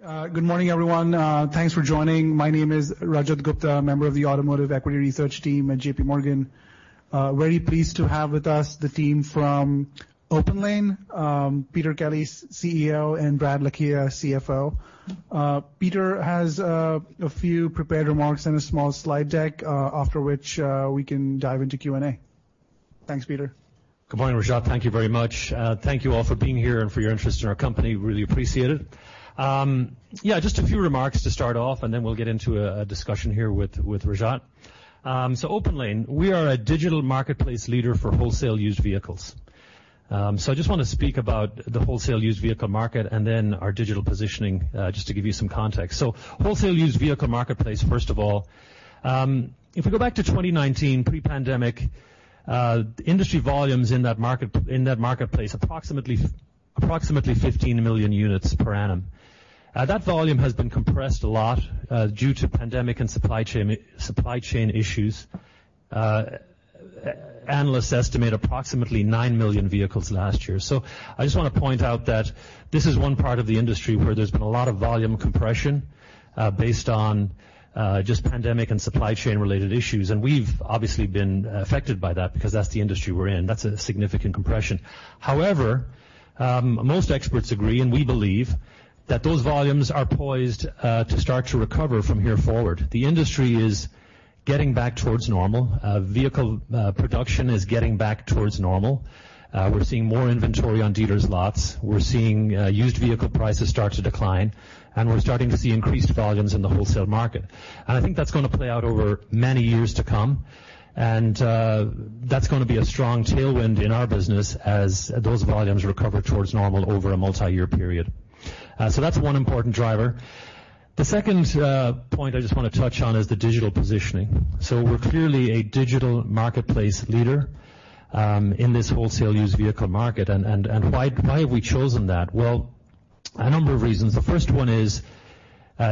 Good morning, everyone. Thanks for joining. My name is Rajat Gupta, member of the Automotive Equity Research Team at J.P. Morgan. Very pleased to have with us the team from OPENLANE, Peter Kelly, CEO, and Brad Herring, CFO. Peter has a few prepared remarks and a small slide deck, after which, we can dive into Q&A. Thanks, Peter. Good morning, Rajat. Thank you very much. Thank you all for being here and for your interest in our company. Really appreciate it. Yeah, just a few remarks to start off, and then we'll get into a discussion here with Rajat. OPENLANE, we are a digital marketplace leader for wholesale used vehicles. I just want to speak about the wholesale used vehicle market and then our digital positioning, just to give you some context. Wholesale used vehicle marketplace, first of all. If we go back to 2019, pre-pandemic, industry volumes in that marketplace, approximately 15 million units per annum. That volume has been compressed a lot, due to pandemic and supply chain, supply chain issues. Analysts estimate approximately 9 million vehicles last year. I just want to point out that this is one part of the industry where there's been a lot of volume compression, based on just pandemic and supply chain-related issues, and we've obviously been affected by that because that's the industry we're in. That's a significant compression. However, most experts agree, and we believe, that those volumes are poised to start to recover from here forward. The industry is getting back towards normal. Vehicle production is getting back towards normal. We're seeing more inventory on dealers' lots. We're seeing used vehicle prices start to decline, and we're starting to see increased volumes in the wholesale market. I think that's gonna play out over many years to come, and that's gonna be a strong tailwind in our business as those volumes recover towards normal over a multi-year period. That's one important driver. The second point I just want to touch on is the digital positioning. We're clearly a digital marketplace leader in this wholesale used vehicle market. Why, why have we chosen that? Well, a number of reasons. The first one is,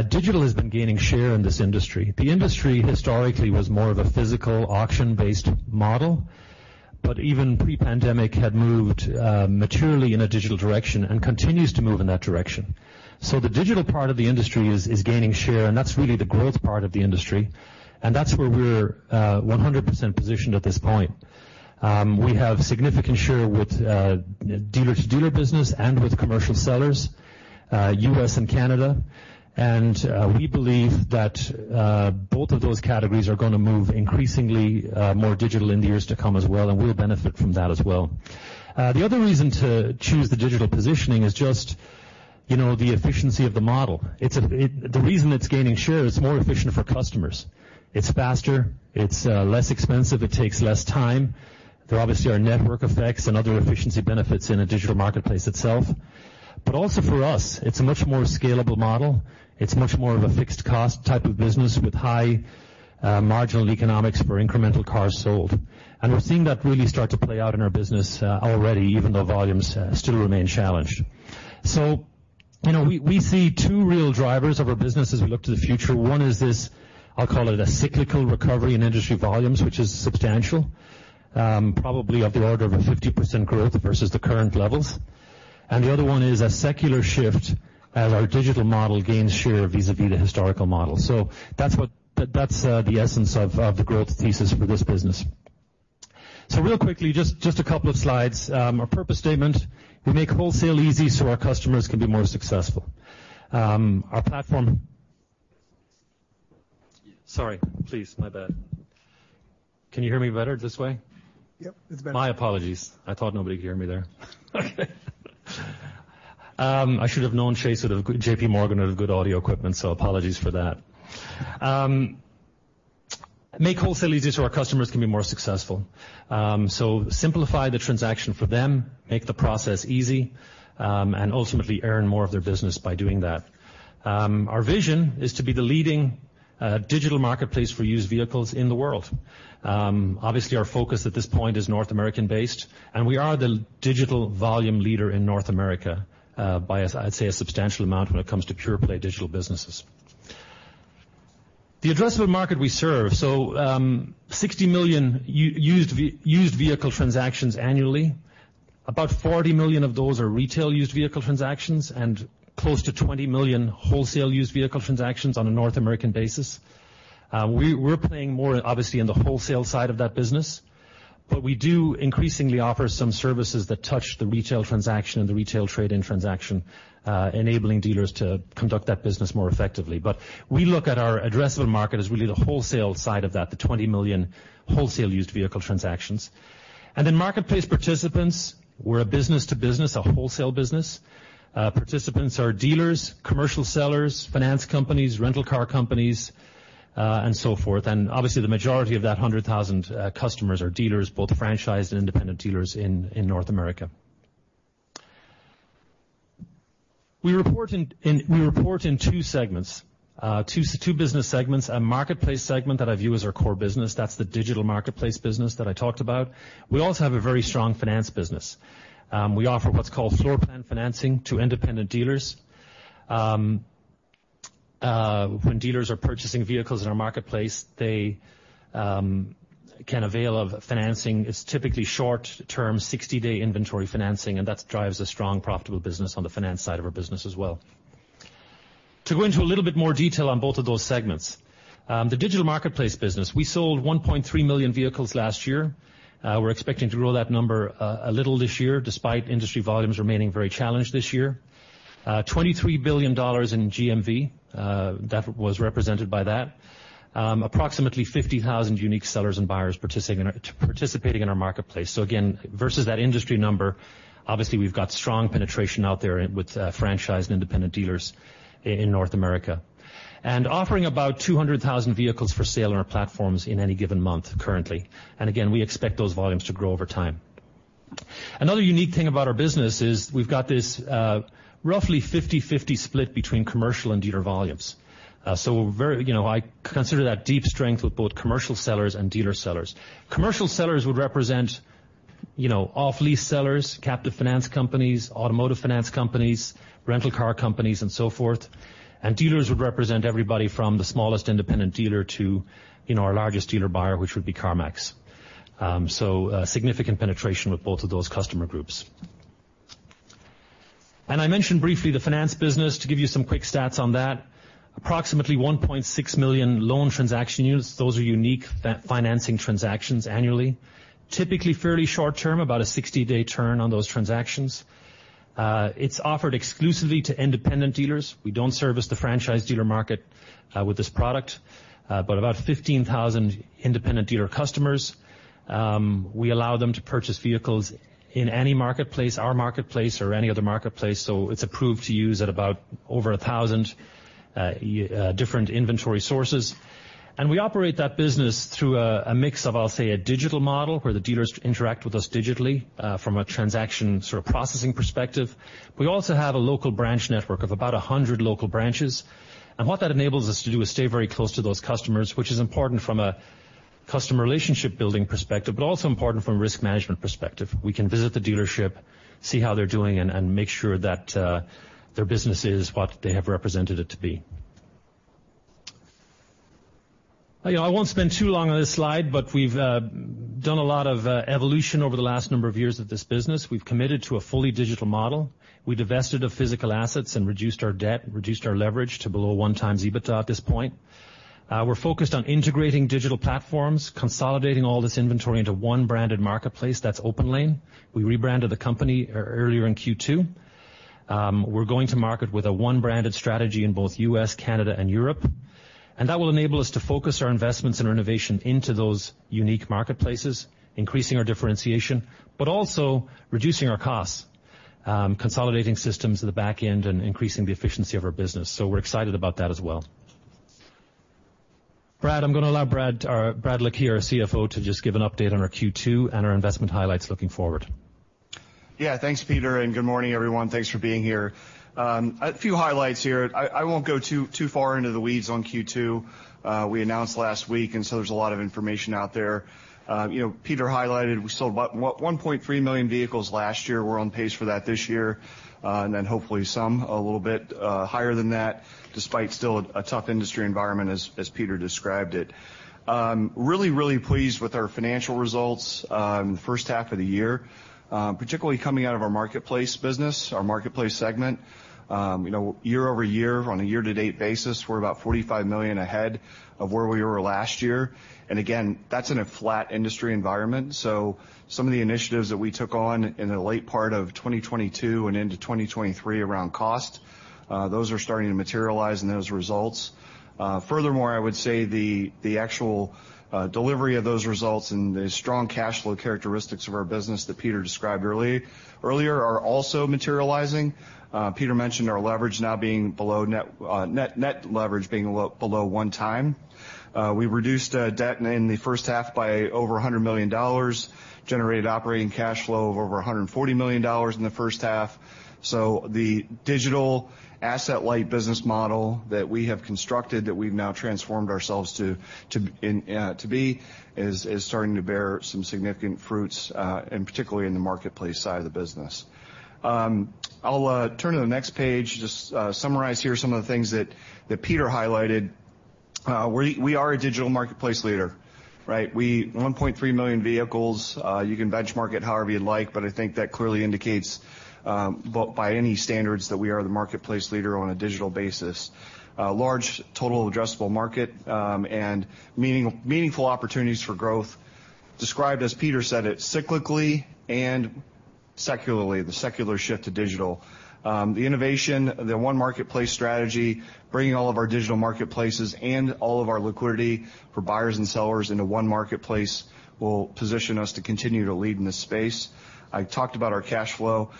digital has been gaining share in this industry. The industry historically was more of a physical, auction-based model, but even pre-pandemic had moved maturely in a digital direction and continues to move in that direction. The digital part of the industry is, is gaining share, and that's really the growth part of the industry, and that's where we're 100% positioned at this point. We have significant share with dealer-to-dealer business and with commercial sellers, US and Canada. We believe that both of those categories are gonna move increasingly more digital in the years to come as well, and we'll benefit from that as well. The other reason to choose the digital positioning is just, you know, the efficiency of the model. The reason it's gaining share, it's more efficient for customers. It's faster, it's less expensive, it takes less time. There obviously are network effects and other efficiency benefits in a digital marketplace itself. Also for us, it's a much more scalable model. It's much more of a fixed cost type of business with high marginal economics for incremental cars sold. We're seeing that really start to play out in our business already, even though volumes still remain challenged. You know, we see two real drivers of our business as we look to the future. One is this, I'll call it a cyclical recovery in industry volumes, which is substantial, probably of the order of a 50% growth versus the current levels. The other one is a secular shift as our digital model gains share vis-à-vis the historical model. That's what... That's the essence of the growth thesis for this business. Real quickly, just a couple of slides. Our purpose statement: We make wholesale easy so our customers can be more successful. Our platform... Sorry. Please, my bad. Can you hear me better this way? Yep, it's better. My apologies. I thought nobody could hear me there. I should have known Chase would have J.P. Morgan would have good audio equipment, so apologies for that. Make wholesale easy so our customers can be more successful. So simplify the transaction for them, make the process easy, and ultimately earn more of their business by doing that. Our vision is to be the leading digital marketplace for used vehicles in the world. Obviously, our focus at this point is North American-based, and we are the digital volume leader in North America by a, I'd say, a substantial amount when it comes to pure play digital businesses. The addressable market we serve, so, 60 million used vehicle transactions annually. About $40 million of those are retail used vehicle transactions and close to $20 million wholesale used vehicle transactions on a North American basis. We're playing more, obviously, in the wholesale side of that business, but we do increasingly offer some services that touch the retail transaction and the retail trade-in transaction, enabling dealers to conduct that business more effectively. We look at our addressable market as really the wholesale side of that, the $20 million wholesale used vehicle transactions. Then marketplace participants, we're a business-to-business, a wholesale business. Participants are dealers, commercial sellers, finance companies, rental car companies, and so forth. Obviously, the majority of that 100,000 customers are dealers, both franchised and independent dealers in North America. We report in 2 segments, 2 business segments, a marketplace segment that I view as our core business. That's the digital marketplace business that I talked about. We also have a very strong finance business. We offer what's called floor plan financing to independent dealers. When dealers are purchasing vehicles in our marketplace, they can avail of financing. It's typically short-term, 60-day inventory financing, that drives a strong, profitable business on the finance side of our business as well. To go into a little bit more detail on both of those segments, the digital marketplace business, we sold 1.3 million vehicles last year. We're expecting to grow that number a little this year, despite industry volumes remaining very challenged this year. $23 billion in GMV that was represented by that. Approximately 50,000 unique sellers and buyers participating in, participating in our marketplace. Again, versus that industry number, obviously, we've got strong penetration out there with franchised and independent dealers in North America. Offering about 200,000 vehicles for sale on our platforms in any given month currently. Again, we expect those volumes to grow over time. Another unique thing about our business is we've got this roughly 50/50 split between commercial and dealer volumes. We're very... You know, I consider that deep strength with both commercial sellers and dealer sellers. Commercial sellers would represent, you know, off-lease sellers, captive finance companies, automotive finance companies, rental car companies, and so forth. Dealers would represent everybody from the smallest independent dealer to, you know, our largest dealer buyer, which would be CarMax. Significant penetration with both of those customer groups. I mentioned briefly the finance business. To give you some quick stats on that, approximately $1.6 million loan transaction units. Those are unique financing transactions annually, typically fairly short term, about a 60-day turn on those transactions. It's offered exclusively to independent dealers. We don't service the franchise dealer market with this product, but about 15,000 independent dealer customers. We allow them to purchase vehicles in any marketplace, our marketplace or any other marketplace, so it's approved to use at about over 1,000 different inventory sources. We operate that business through a mix of, I'll say, a digital model, where the dealers interact with us digitally from a transaction sort of processing perspective. We also have a local branch network of about 100 local branches. What that enables us to do is stay very close to those customers, which is important from a customer relationship building perspective, but also important from a risk management perspective. We can visit the dealership, see how they're doing, and make sure that their business is what they have represented it to be. I won't spend too long on this slide. We've done a lot of evolution over the last number of years of this business. We've committed to a fully digital model. We divested of physical assets and reduced our debt, reduced our leverage to below 1 times EBITDA at this point. We're focused on integrating digital platforms, consolidating all this inventory into 1 branded marketplace, that's OPENLANE. We rebranded the company earlier in Q2. We're going to market with a one-branded strategy in both US, Canada, and Europe, and that will enable us to focus our investments and innovation into those unique marketplaces, increasing our differentiation, but also reducing our costs, consolidating systems at the back end and increasing the efficiency of our business. We're excited about that as well. Brad, I'm going to allow Brad, our Brad Herring here, our Chief Financial Officer, to just give an update on our Q2 and our investment highlights looking forward. Yeah, thanks, Peter, and good morning, everyone. Thanks for being here. A few highlights here. I, I won't go too, too far into the weeds on Q2. We announced last week, and so there's a lot of information out there. You know, Peter highlighted, we sold about 1.3 million vehicles last year. We're on pace for that this year, and then hopefully some a little bit higher than that, despite still a tough industry environment, as Peter described it. Really, really pleased with our financial results in the first half of the year, particularly coming out of our marketplace business, our marketplace segment. You know, year-over-year, on a year-to-date basis, we're about $45 million ahead of where we were last year. Again, that's in a flat industry environment. Some of the initiatives that we took on in the late part of 2022 and into 2023 around cost, those are starting to materialize in those results. Furthermore, I would say the, the actual delivery of those results and the strong cash flow characteristics of our business that Peter described early, earlier are also materializing. Peter mentioned our leverage now being below net, net leverage being below 1 time. We reduced debt in the first half by over $100 million, generated operating cash flow of over $140 million in the first half. The digital asset-light business model that we have constructed, that we've now transformed ourselves to be, is starting to bear some significant fruits, and particularly in the marketplace side of the business. I'll turn to the next page. Just summarize here some of the things that Peter highlighted. We are a digital marketplace leader, right? 1.3 million vehicles, you can benchmark it however you'd like, but I think that clearly indicates, by any standards, that we are the marketplace leader on a digital basis. Large total addressable market, and meaningful opportunities for growth, described, as Peter said it, cyclically and secularly, the secular shift to digital. The innovation, the one marketplace strategy, bringing all of our digital marketplaces and all of our liquidity for buyers and sellers into one marketplace, will position us to continue to lead in this space. I talked about our cash flow.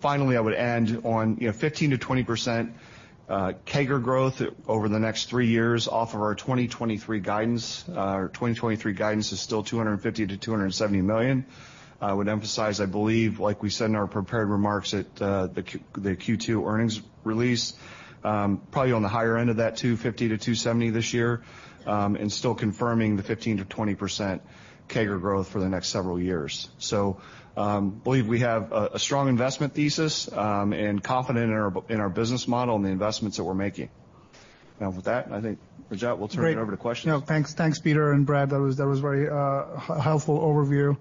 Finally, I would end on, you know, 15%-20% CAGR growth over the next 3 years off of our 2023 guidance. Our 2023 guidance is still $250 million-$270 million. I would emphasize, I believe, like we said in our prepared remarks at the Q2 earnings release, probably on the higher end of that $250-$270 this year, and still confirming the 15%-20% CAGR growth for the next several years. Believe we have a strong investment thesis, and confident in our business model and the investments that we're making. With that, I think, Rajat, we'll turn it over to questions. No, thanks. Thanks, Peter and Brad. That was, that was very helpful overview.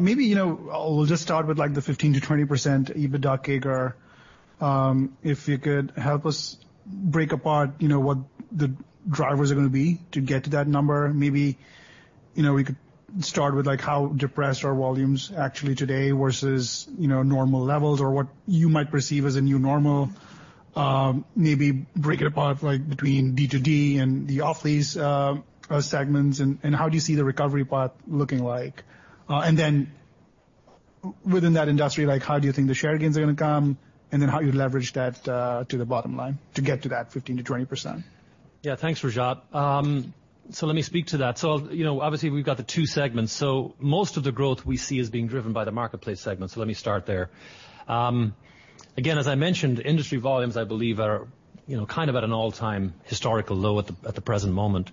Maybe, you know, we'll just start with, like, the 15%-20% EBITDA CAGR. If you could help us break apart, you know, what the drivers are gonna be to get to that number. Maybe, you know, we could start with, like, how depressed are volumes actually today versus, you know, normal levels or what you might perceive as a new normal. Maybe break it apart, like between D2D and the off-lease segments, and how do you see the recovery part looking like? Then within that industry, like, how do you think the share gains are gonna come? Then how you leverage that to the bottom line to get to that 15%-20%. Yeah, thanks, Rajat. Let me speak to that. You know, obviously, we've got the two segments. Most of the growth we see is being driven by the marketplace segment, so let me start there. Again, as I mentioned, industry volumes, I believe are, you know, kind of at an all-time historical low at the present moment.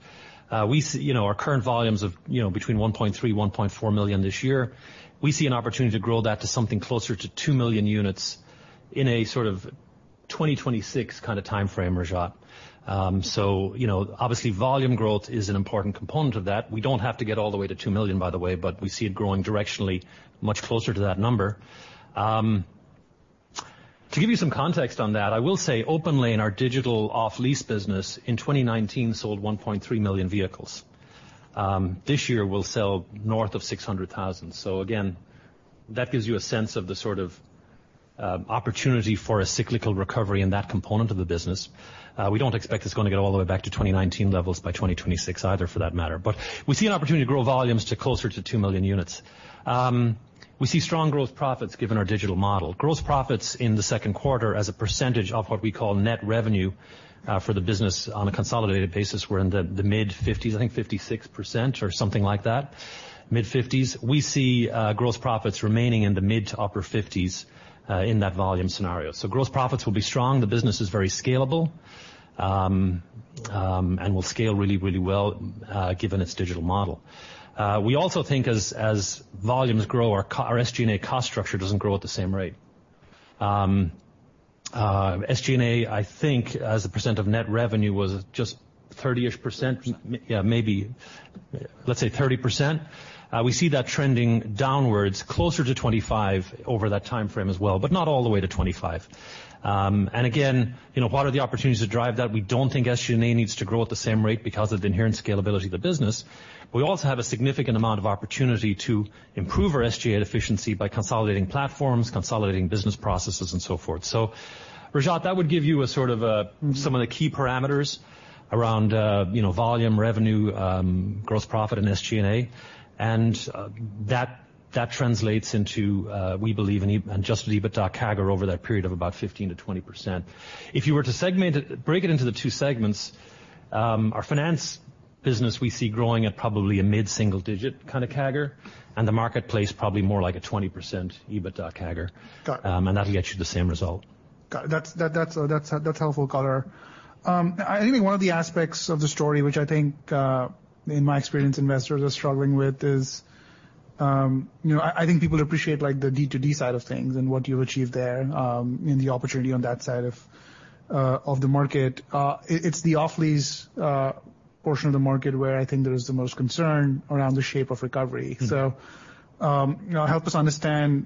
We see, you know, our current volumes of, you know, between 1.3 million-1.4 million units this year, we see an opportunity to grow that to something closer to 2 million units in a sort of 2026 kind of time frame, Rajat. You know, obviously, volume growth is an important component of that. We don't have to get all the way to 2 million, by the way, but we see it growing directionally much closer to that number. To give you some context on that, I will say openly, in our digital off-lease business, in 2019 sold 1.3 million vehicles. This year will sell north of 600,000. Again, that gives you a sense of the sort of opportunity for a cyclical recovery in that component of the business. We don't expect it's gonna get all the way back to 2019 levels by 2026 either, for that matter. We see an opportunity to grow volumes to closer to 2 million units. We see strong growth profits given our digital model. Gross profits in the Q2 as a percentage of what we call net revenue, for the business on a consolidated basis, we're in the, the mid-fifties, I think 56% or something like that, mid-fifties. We see gross profits remaining in the mid to upper 50s in that volume scenario. Gross profits will be strong. The business is very scalable and will scale really, really well given its digital model. We also think as volumes grow, our SG&A cost structure doesn't grow at the same rate. SG&A, I think, as a percent of net revenue, was just 30%. Yeah, maybe, let's say 30%. We see that trending downwards closer to 25% over that time frame as well, but not all the way to 25%. And again, you know, what are the opportunities to drive that? We don't think SG&A needs to grow at the same rate because of the inherent scalability of the business. We also have a significant amount of opportunity to improve our SG&A efficiency by consolidating platforms, consolidating business processes, and so forth. Rajat, that would give you a sort of, some of the key parameters around, you know, volume, revenue, gross profit and SG&A, and, that, that translates into, we believe, and Adjusted EBITDA CAGR over that period of about 15%-20%. If you were to break it into the two segments, our finance business, we see growing at probably a mid-single digit kind of CAGR, and the marketplace, probably more like a 20% EBITDA CAGR. Got it. That'll get you the same result. Got it. That's, that, that's, that's helpful color. I think one of the aspects of the story, which I think, in my experience, investors are struggling with, is. You know, I, I think people appreciate the D2D side of things and what you've achieved there, and the opportunity on that side of the market. It's the off-lease portion of the market where I think there is the most concern around the shape of recovery. Mm-hmm. You know, help us understand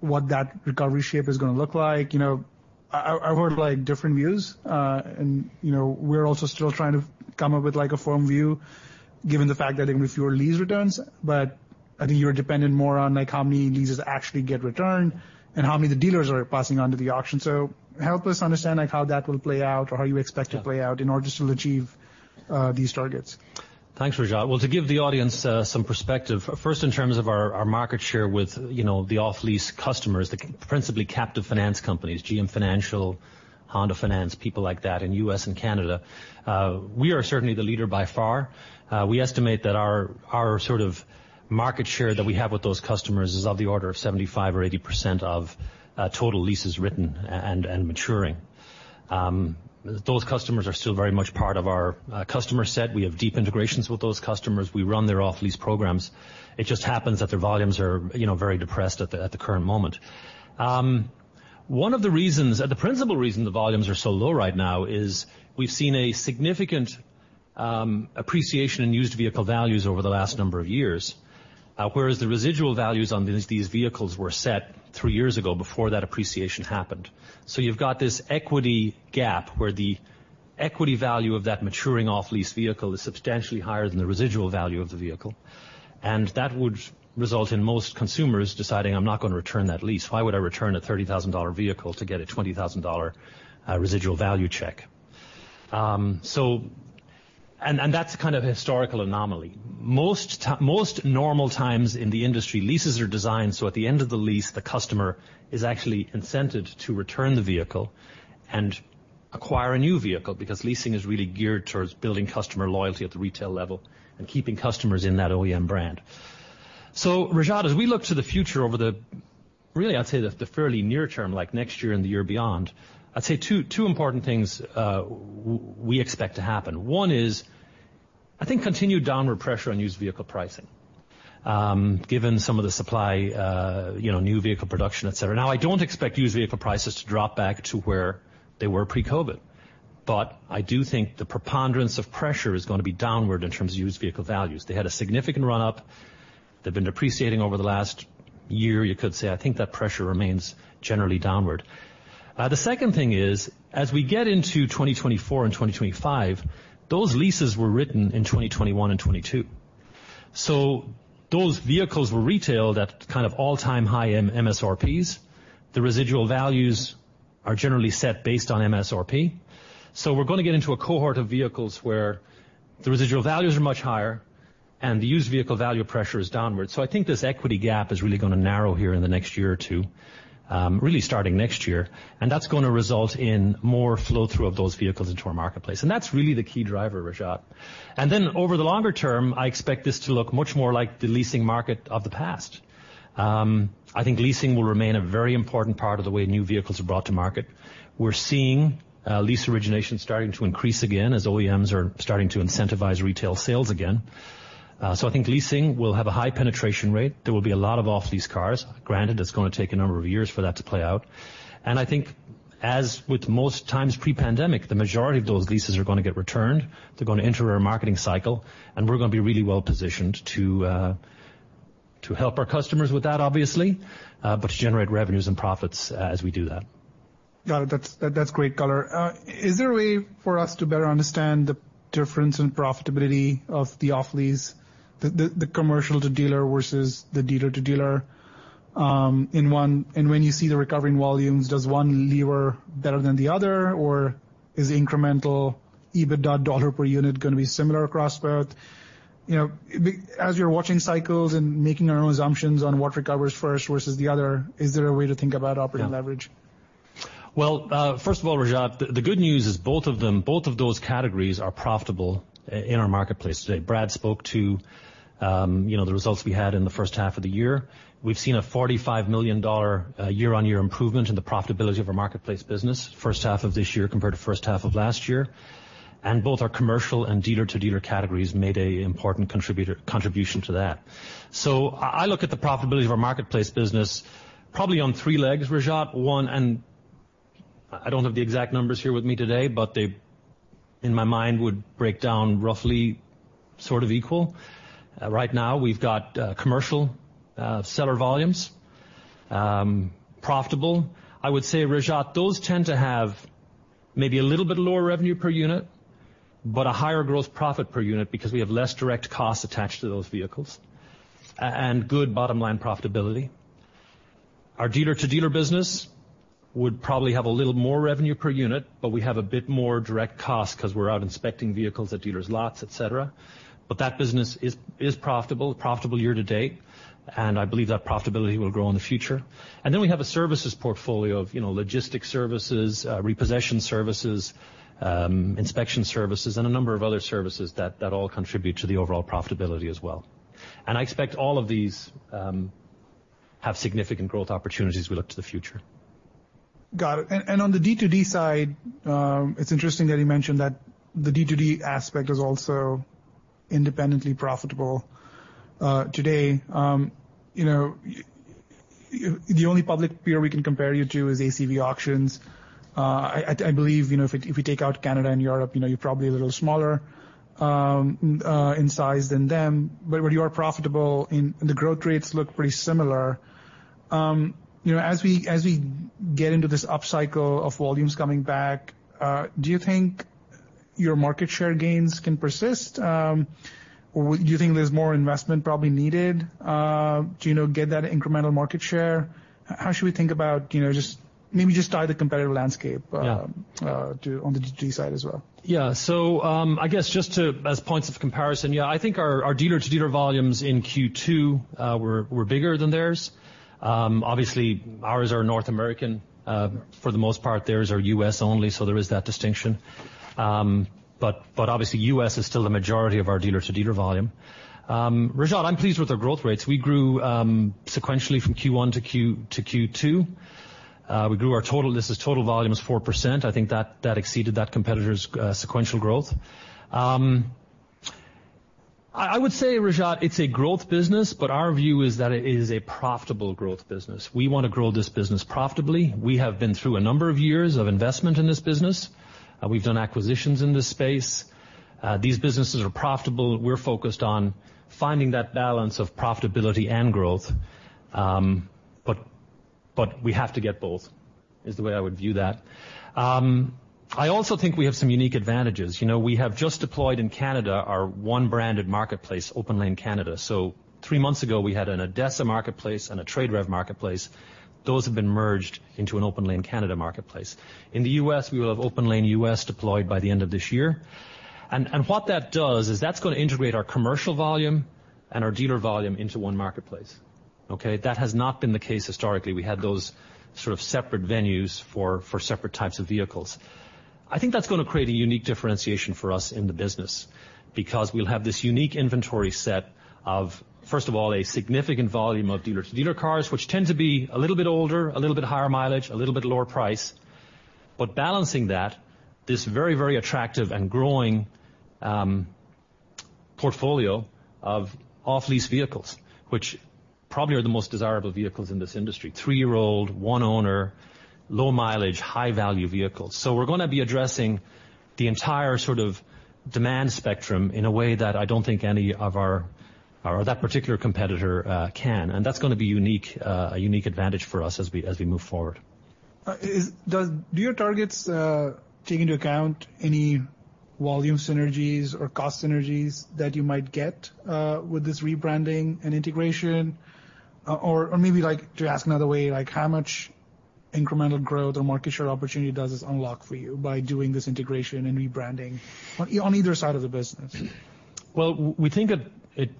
what that recovery shape is gonna look like. You know, I, I, I've heard, like, different views, and, you know, we're also still trying to come up with, like, a firm view, given the fact that there are gonna be fewer lease returns. I think you're dependent more on, like, how many leases actually get returned and how many the dealers are passing on to the auction. Help us understand, like, how that will play out or how you expect to play out in order to achieve these targets. Thanks, Rajat. Well, to give the audience some perspective, first, in terms of our, our market share with, you know, the off-lease customers, the principally captive finance companies, GM Financial, Honda Finance, people like that in US and Canada, we are certainly the leader by far. We estimate that our, our sort of market share that we have with those customers is of the order of 75% or 80% of total leases written and maturing. Those customers are still very much part of our customer set. We have deep integrations with those customers. We run their off-lease programs. It just happens that their volumes are you know, very depressed at the current moment. One of the reasons... The principal reason the volumes are so low right now is we've seen a significant appreciation in used vehicle values over the last number of years, whereas the residual values on these, these vehicles were set three years ago before that appreciation happened. You've got this equity gap, where the equity value of that maturing off-lease vehicle is substantially higher than the residual value of the vehicle, and that would result in most consumers deciding: I'm not gonna return that lease. Why would I return a $30,000 vehicle to get a $20,000 residual value check? That's kind of a historical anomaly. Most normal times in the industry, leases are designed, so at the end of the lease, the customer is actually incented to return the vehicle and acquire a new vehicle because leasing is really geared towards building customer loyalty at the retail level and keeping customers in that OEM brand. Rajat, as we look to the future over the, really, I'd say, the, the fairly near term, like next year and the year beyond, I'd say two important things we expect to happen. One is... I think continued downward pressure on used vehicle pricing, given some of the supply, you know, new vehicle production, et cetera. Now, I don't expect used vehicle prices to drop back to where they were pre-COVID, but I do think the preponderance of pressure is gonna be downward in terms of used vehicle values. They had a significant run-up. They've been depreciating over the last year, you could say. I think that pressure remains generally downward. The second thing is, as we get into 2024 and 2025, those leases were written in 2021 and 2022. Those vehicles were retailed at kind of all-time high in MSRPs. The residual values are generally set based on MSRP. We're gonna get into a cohort of vehicles where the residual values are much higher and the used vehicle value pressure is downward. I think this equity gap is really gonna narrow here in the next year or two, really starting next year, and that's gonna result in more flow-through of those vehicles into our marketplace, and that's really the key driver, Rajat. Then over the longer term, I expect this to look much more like the leasing market of the past. I think leasing will remain a very important part of the way new vehicles are brought to market. We're seeing lease origination starting to increase again as OEMs are starting to incentivize retail sales again. I think leasing will have a high penetration rate. There will be a lot of off-lease cars. Granted, it's gonna take a number of years for that to play out. I think as with most times pre-pandemic, the majority of those leases are gonna get returned. They're gonna enter our marketing cycle, and we're gonna be really well positioned to to help our customers with that, obviously, but to generate revenues and profits as we do that. Got it. That's, that's great color. Is there a way for us to better understand the difference in profitability of the off-lease, the, the, the commercial-to-dealer versus the dealer-to-dealer? When you see the recovery in volumes, does one lever better than the other, or is the incremental EBITDA $ per unit going to be similar across both? You know, as you're watching cycles and making our own assumptions on what recovers first versus the other, is there a way to think about operating leverage? Well, first of all, Rajat, the good news is both of them, both of those categories are profitable in our marketplace today. Brad spoke to, you know, the results we had in the first half of the year. We've seen a $45 million year-on-year improvement in the profitability of our marketplace business, first half of this year compared to first half of last year, and both our commercial and dealer-to-dealer categories made a important contributor, contribution to that. I, I look at the profitability of our marketplace business probably on three legs, Rajat. One, I don't have the exact numbers here with me today, they, in my mind, would break down roughly sort of equal. Right now, we've got commercial seller volumes profitable. I would say, Rajat, those tend to have maybe a little bit lower revenue per unit, but a higher growth profit per unit because we have less direct costs attached to those vehicles and good bottom-line profitability. Our dealer-to-dealer business would probably have a little more revenue per unit, but we have a bit more direct cost 'cause we're out inspecting vehicles at dealers' lots, et cetera. But that business is, is profitable, profitable year to date, and I believe that profitability will grow in the future. Then we have a services portfolio of, you know, logistics services, repossession services, inspection services, and a number of other services that, that all contribute to the overall profitability as well. I expect all of these have significant growth opportunities as we look to the future. Got it. On the D2D side, it's interesting that you mentioned that the D2D aspect is also independently profitable. Today, you know, the only public peer we can compare you to is ACV Auctions. I believe, you know, if, if we take out Canada and Europe, you know, you're probably a little smaller in size than them, but you are profitable, and the growth rates look pretty similar. You know, as we, as we get into this upcycle of volumes coming back, do you think your market share gains can persist? Or do you think there's more investment probably needed to, you know, get that incremental market share? How should we think about, you know, just maybe just tie the competitive landscape? Yeah... to, on the D2D side as well? I guess just to, as points of comparison, I think our dealer-to-dealer volumes in Q2 were bigger than theirs. Obviously, ours are North American. For the most part, theirs are US only, so there is that distinction. Obviously, US is still the majority of our dealer-to-dealer volume. Rajat, I'm pleased with our growth rates. We grew sequentially from Q1 to Q2. We grew our total, this is total volume, is 4%. I think that, that exceeded that competitor's sequential growth. I, I would say, Rajat, it's a growth business, but our view is that it is a profitable growth business. We want to grow this business profitably. We have been through a number of years of investment in this business. We've done acquisitions in this space. These businesses are profitable. We're focused on finding that balance of profitability and growth, but we have to get both, is the way I would view that. I also think we have some unique advantages. You know, we have just deployed in Canada our one-branded marketplace, OPENLANE Canada. 3 months ago, we had an ADESA marketplace and a TradeRev marketplace. Those have been merged into an OPENLANE Canada marketplace. In the US, we will have OPENLANE US deployed by the end of this year. What that does is that's gonna integrate our commercial volume and our dealer volume into one marketplace, okay? That has not been the case historically. We had those sort of separate venues for, for separate types of vehicles. I think that's gonna create a unique differentiation for us in the business because we'll have this unique inventory set of, first of all, a significant volume of dealer-to-dealer cars, which tend to be a little bit older, a little bit higher mileage, a little bit lower price. Balancing that, this very, very attractive and growing portfolio of off-lease vehicles, which probably are the most desirable vehicles in this industry. 3-year-old, one owner, low mileage, high-value vehicles. We're gonna be addressing the entire sort of demand spectrum in a way that I don't think any of or that particular competitor can, and that's gonna be unique, a unique advantage for us as we, as we move forward. Do your targets take into account any volume synergies or cost synergies that you might get with this rebranding and integration? Maybe, like, to ask another way, like, how much incremental growth or market share opportunity does this unlock for you by doing this integration and rebranding on either side of the business? Well, we think it, it...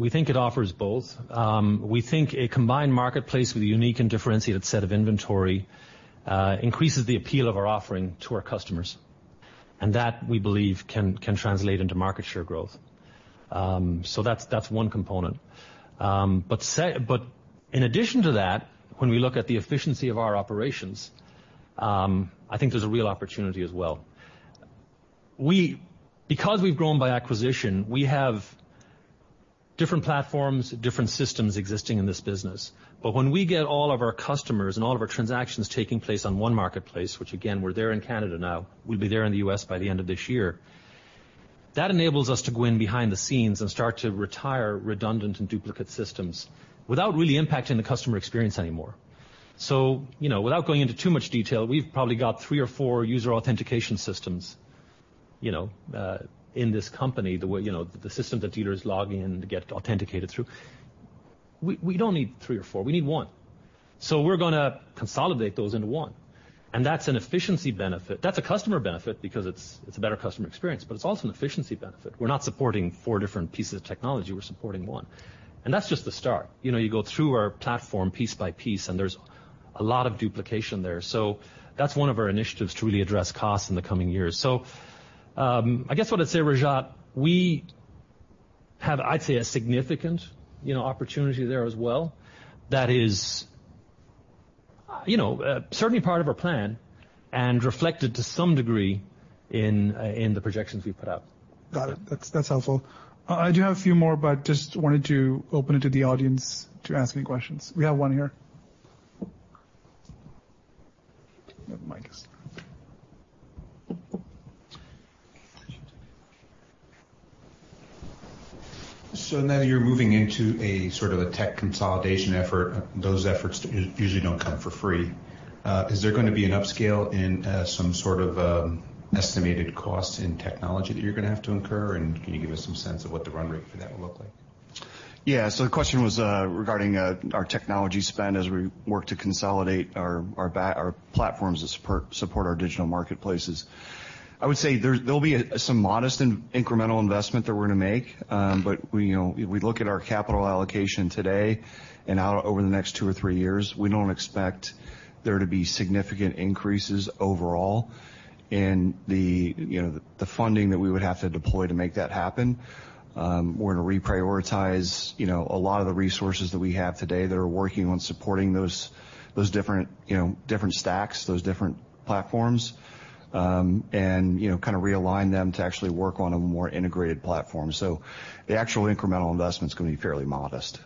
We think it offers both. We think a combined marketplace with a unique and differentiated set of inventory, increases the appeal of our offering to our customers, and that, we believe, can, can translate into market share growth. That's, that's one component. In addition to that, when we look at the efficiency of our operations, I think there's a real opportunity as well. Because we've grown by acquisition, we have different platforms, different systems existing in this business, but when we get all of our customers and all of our transactions taking place on one marketplace, which, again, we're there in Canada now, we'll be there in the US by the end of this year, that enables us to go in behind the scenes and start to retire redundant and duplicate systems without really impacting the customer experience anymore. So, you know, without going into too much detail, we've probably got three or four user authentication systems, you know, in this company, the way, you know, the system that dealers log in to get authenticated through. We, we don't need three or four, we need one. We're gonna consolidate those into one, and that's an efficiency benefit. That's a customer benefit because it's, it's a better customer experience, but it's also an efficiency benefit. We're not supporting 4 different pieces of technology, we're supporting 1, and that's just the start. You know, you go through our platform piece by piece, and there's a lot of duplication there. That's 1 of our initiatives to really address costs in the coming years. I guess what I'd say, Rajat, we have, I'd say, a significant, you know, opportunity there as well, that is, certainly part of our plan and reflected to some degree in the projections we've put out. Got it. That's, that's helpful. I do have a few more, but just wanted to open it to the audience to ask any questions. We have one here. You have the mic. Now that you're moving into a sort of a tech consolidation effort, those efforts usually don't come for free. Is there gonna be an upscale in, some sort of, estimated cost in technology that you're gonna have to incur? Can you give us some sense of what the run rate for that will look like? Yeah, so the question was regarding our technology spend as we work to consolidate our platforms to support, support our digital marketplaces. I would say there, there'll be some modest and incremental investment that we're gonna make. You know, if we look at our capital allocation today and out over the next 2 or 3 years, we don't expect there to be significant increases overall in the, you know, the funding that we would have to deploy to make that happen. We're gonna reprioritize, you know, a lot of the resources that we have today that are working on supporting those, those different, you know, different stacks, those different platforms, and, you know, kind of realign them to actually work on a more integrated platform. The actual incremental investment is gonna be fairly modest.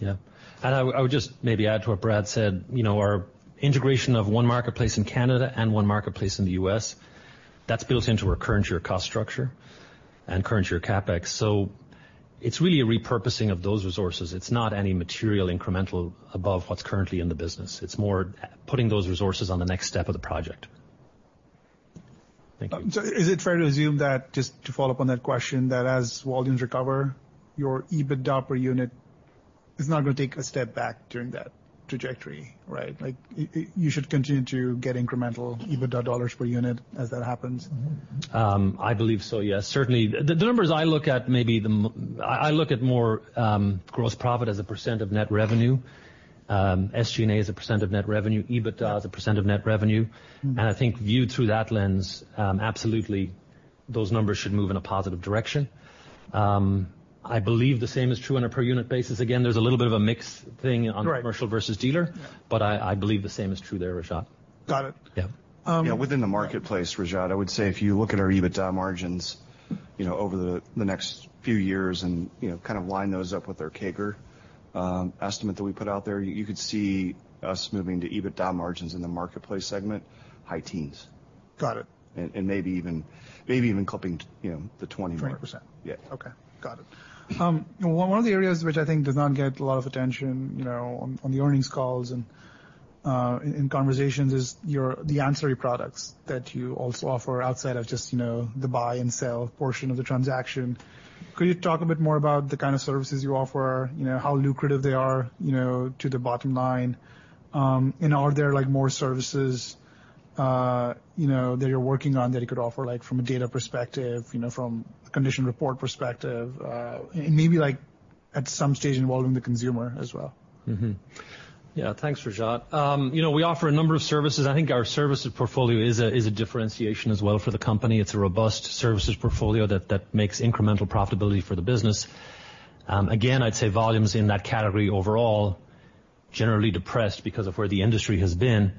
Yeah. I would, I would just maybe add to what Brad said. You know, our integration of one marketplace in Canada and one marketplace in the US, that's built into our current year cost structure and current year CapEx. It's really a repurposing of those resources. It's not any material incremental above what's currently in the business. It's more putting those resources on the next step of the project. Thank you. Is it fair to assume that, just to follow up on that question, that as volumes recover, your EBITDA per unit is not gonna take a step back during that trajectory, right? Like, you should continue to get incremental EBITDA dollars per unit as that happens. Mm-hmm. I believe so, yes. Certainly, the, the numbers I look at I, I look at more, gross profit as a % of net revenue, SG&A as a % of net revenue, EBITDA as a % of net revenue. Mm-hmm. I think viewed through that lens, absolutely, those numbers should move in a positive direction. I believe the same is true on a per unit basis. Again, there's a little bit of a mix thing- Right... on commercial versus dealer, but I, I believe the same is true there, Rajat. Got it. Yeah. Yeah, within the marketplace, Rajat, I would say if you look at our EBITDA margins, you know, over the, the next few years and, you know, kind of line those up with our CAGR estimate that we put out there, you could see us moving to EBITDA margins in the marketplace segment, high teens. Got it. And maybe even, maybe even clipping, you know, the twenty- 20%. Yeah. Okay, got it. One of the areas which I think does not get a lot of attention, you know, on, on the earnings calls and in conversations, the ancillary products that you also offer outside of just, you know, the buy and sell portion of the transaction. Could you talk a bit more about the kind of services you offer? You know, how lucrative they are, you know, to the bottom line? And are there, like, more services, you know, that you're working on that you could offer, like, from a data perspective, you know, from a condition report perspective, and maybe, like, at some stage, involving the consumer as well? Mm-hmm. Yeah. Thanks, Rajat. You know, we offer a number of services. I think our services portfolio is a differentiation as well for the company. It's a robust services portfolio that makes incremental profitability for the business. Again, I'd say volumes in that category overall, generally depressed because of where the industry has been.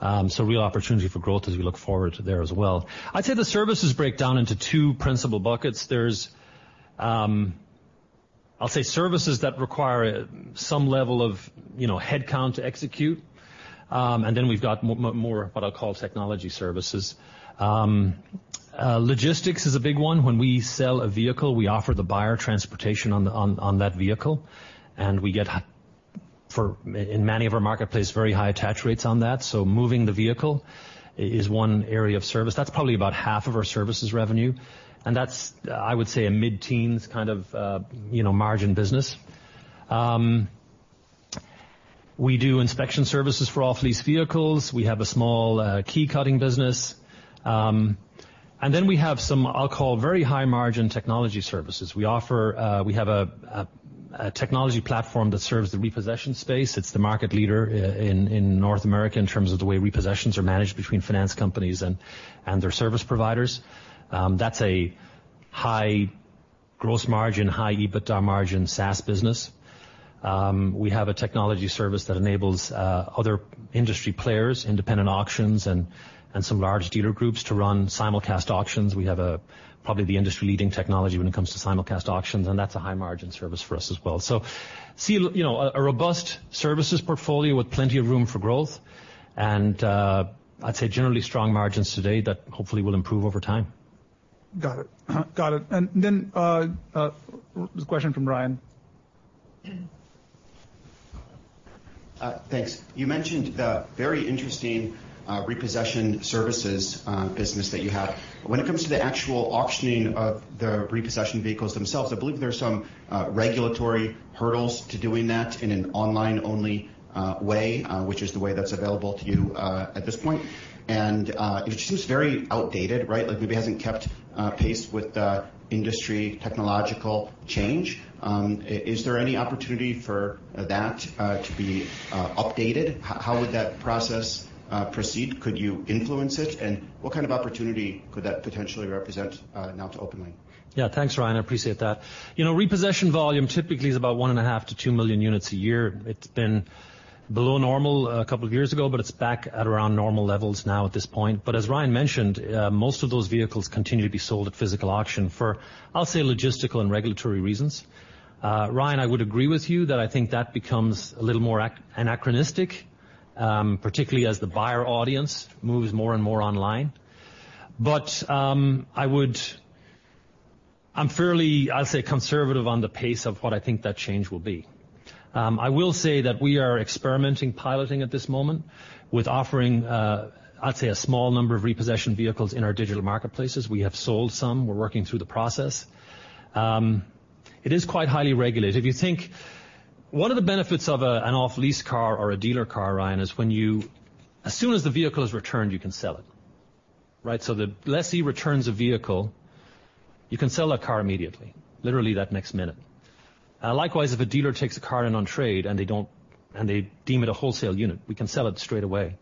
Real opportunity for growth as we look forward to there as well. I'd say the services break down into two principal buckets. There's, I'll say services that require some level of, you know, headcount to execute. Then we've got more, what I'll call technology services. Logistics is a big one. When we sell a vehicle, we offer the buyer transportation on that vehicle, and we get for, in many of our marketplace, very high attach rates on that. Moving the vehicle is 1 area of service. That's probably about half of our services revenue, and that's, I would say, a mid-teens kind of, you know, margin business. We do inspection services for off-lease vehicles. We have a small key cutting business. And then we have some, I'll call, very high-margin technology services. We offer. We have a technology platform that serves the repossession space. It's the market leader in North America in terms of the way repossessions are managed between finance companies and their service providers. That's a high gross margin, high EBITDA margin, SaaS business. We have a technology service that enables other industry players, independent auctions, and some large dealer groups to run simulcast auctions. We have probably the industry-leading technology when it comes to simulcast auctions, and that's a high-margin service for us as well. See, you know, a robust services portfolio with plenty of room for growth, and I'd say generally strong margins today that hopefully will improve over time. Got it. Got it. Then, there's a question from Ryan. Thanks. You mentioned the very interesting repossession services business that you have. When it comes to the actual auctioning of the repossession vehicles themselves, I believe there are some regulatory hurdles to doing that in an online-only way, which is the way that's available to you at this point. It seems very outdated, right? Like, maybe hasn't kept pace with the industry technological change. Is there any opportunity for that to be updated? How would that process proceed? Could you influence it? What kind of opportunity could that potentially represent now to OPENLANE? Yeah. Thanks, Ryan. I appreciate that. You know, repossession volume typically is about 1.5 million-2 million units a year. It's been below normal a couple of years ago, but it's back at around normal levels now at this point. As Ryan mentioned, most of those vehicles continue to be sold at physical auction for, I'll say, logistical and regulatory reasons. Ryan, I would agree with you that I think that becomes a little more ac-- anachronistic, particularly as the buyer audience moves more and more online. I would... I'm fairly, I'll say, conservative on the pace of what I think that change will be. I will say that we are experimenting, piloting at this moment, with offering, I'd say, a small number of repossession vehicles in our digital marketplaces. We have sold some. We're working through the process. It is quite highly regulated. If you think, one of the benefits of an off-lease car or a dealer car, Ryan, is when you as soon as the vehicle is returned, you can sell it, right? The lessee returns a vehicle, you can sell that car immediately, literally that next minute. Likewise, if a dealer takes a car in on trade, and they don't and they deem it a wholesale unit, we can sell it straight away.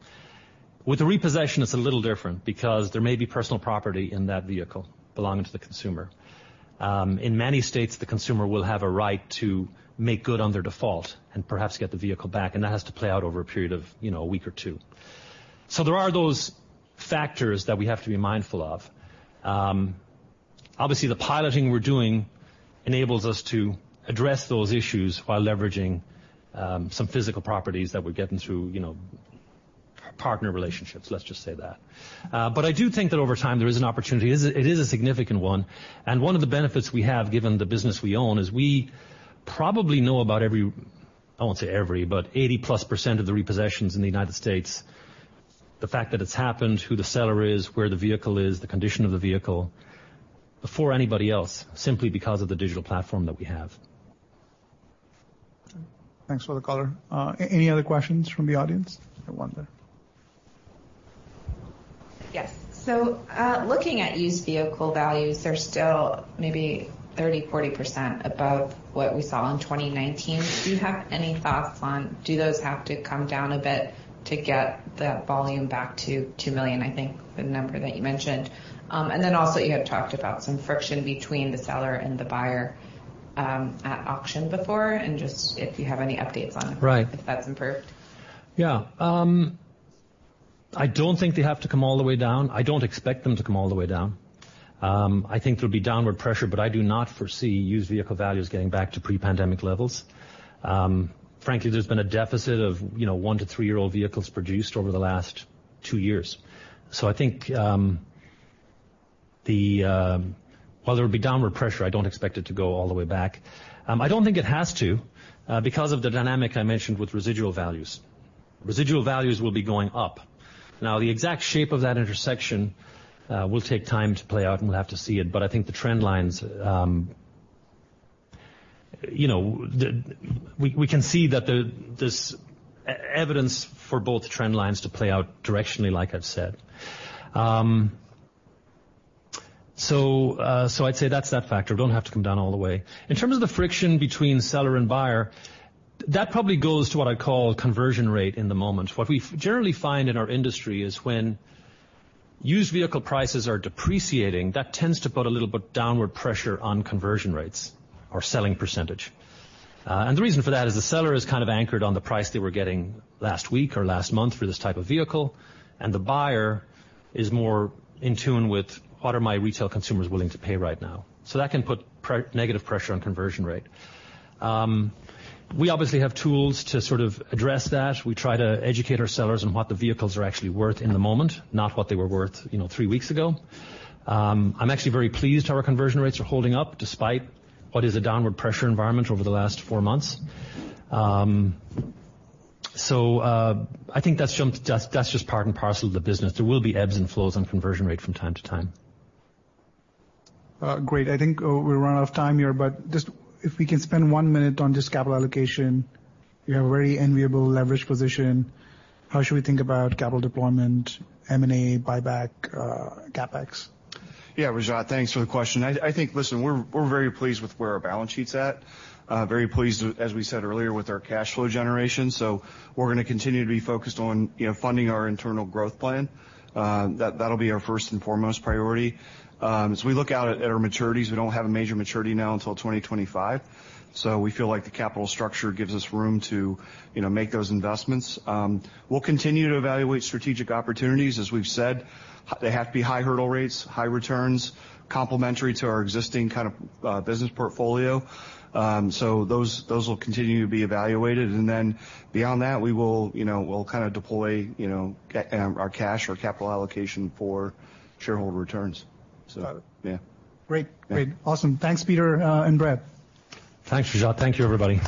With the repossession, it's a little different because there may be personal property in that vehicle belonging to the consumer. In many states, the consumer will have a right to make good on their default and perhaps get the vehicle back, and that has to play out over a period of, you know, a week or two. There are those factors that we have to be mindful of. Obviously, the piloting we're doing enables us to address those issues while leveraging, some physical properties that we're getting through, you know, partner relationships, let's just say that. I do think that over time, there is an opportunity. It is, it is a significant one, and one of the benefits we have, given the business we own, is we probably know about every... I won't say every, but 80%+ of the repossessions in the United States, the fact that it's happened, who the seller is, where the vehicle is, the condition of the vehicle, before anybody else, simply because of the digital platform that we have. Thanks for the caller. Any other questions from the audience? I have one there. Yes. Looking at used vehicle values, they're still maybe 30%-40% above what we saw in 2019. Do you have any thoughts on, do those have to come down a bit to get that volume back to 2 million, I think the number that you mentioned? Then also, you had talked about some friction between the seller and the buyer at auction before, and just if you have any updates. Right. if that's improved. Yeah. I don't think they have to come all the way down. I don't expect them to come all the way down. I think there'll be downward pressure, but I do not foresee used vehicle values getting back to pre-pandemic levels. Frankly, there's been a deficit of, you know, one to three-year-old vehicles produced over the last two years. I think, While there will be downward pressure, I don't expect it to go all the way back. I don't think it has to, because of the dynamic I mentioned with residual values. Residual values will be going up. The exact shape of that intersection, will take time to play out, and we'll have to see it. I think the trend lines, you know, we, we can see that there's evidence for both trend lines to play out directionally, like I've said. I'd say that's that factor. Don't have to come down all the way. In terms of the friction between seller and buyer. That probably goes to what I call conversion rate in the moment. What we generally find in our industry is when used vehicle prices are depreciating, that tends to put a little bit downward pressure on conversion rates or selling percentage. The reason for that is the seller is kind of anchored on the price they were getting last week or last month for this type of vehicle, and the buyer is more in tune with what are my retail consumers willing to pay right now? That can put pre- negative pressure on conversion rate. We obviously have tools to sort of address that. We try to educate our sellers on what the vehicles are actually worth in the moment, not what they were worth, you know, three weeks ago. I'm actually very pleased how our conversion rates are holding up, despite what is a downward pressure environment over the last four months. I think that's just, that's just part and parcel of the business. There will be ebbs and flows on conversion rate from time to time. Great. I think, we've run out of time here, but just if we can spend 1 minute on just capital allocation. You have a very enviable leverage position. How should we think about capital deployment, M&A, buyback, CapEx? Yeah, Rajat, thanks for the question. I think, listen, we're, we're very pleased with where our balance sheet's at. Very pleased with, as we said earlier, with our cash flow generation. We're going to continue to be focused on, you know, funding our internal growth plan. That, that'll be our first and foremost priority. As we look out at our maturities, we don't have a major maturity now until 2025, We feel like the capital structure gives us room to, you know, make those investments. We'll continue to evaluate strategic opportunities. As we've said, they have to be high hurdle rates, high returns, complementary to our existing kind of, business portfolio. Those, those will continue to be evaluated, and then beyond that, we will, you know, we'll kind of deploy, you know, our cash or capital allocation for shareholder returns. Yeah. Great. Great. Awesome. Thanks, Peter, and Brad. Thanks, Rajat. Thank you, everybody.